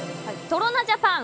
トロナジャパン